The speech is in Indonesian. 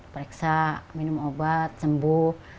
periksa minum obat sembuh